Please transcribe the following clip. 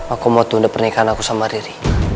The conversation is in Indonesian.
aku mau tunda pernikahan aku sama riri